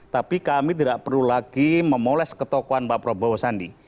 tapi kami tidak perlu lagi memoles ketokohan pak prabowo sandi